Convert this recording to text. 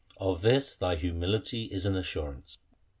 Of this thy humility is an assurance.'